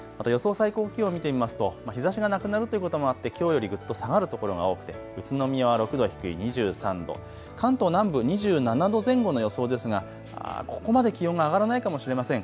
最高気温見てみますと日ざしがなくなるということもあって、きょうよりぐっと下がるところが多くて宇都宮は６度低い２３度、関東南部２７度前後の予想ですがここまで気温が上がらないかもしれません。